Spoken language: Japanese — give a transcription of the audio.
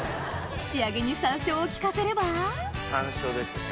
仕上げに山椒を利かせれば山椒ですね。